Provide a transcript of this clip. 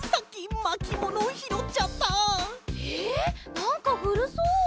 なんかふるそう！